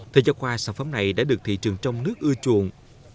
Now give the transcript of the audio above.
theo giáo khoa sản phẩm này đã được thị trường trong nước ưa chuộng